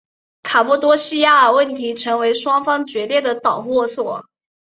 卡帕多细亚问题成为双方决裂的导火索。